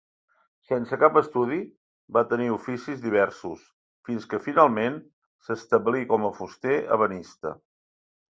Sense cap estudi, va tenir oficis diversos, fins que finalment s'establí com a fuster ebenista.